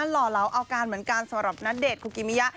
ห่อเหลาเอาการเหมือนกันสำหรับณเดชนคุกิมิยะ